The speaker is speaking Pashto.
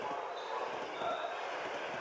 زه پرون کتابونه وړم وم؟